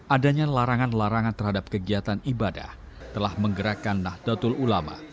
adanya larangan larangan terhadap kegiatan ibadah telah menggerakkan nahdlatul ulama